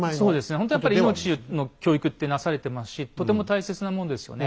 ほんとやっぱり命の教育ってなされてますしとても大切なものですよね。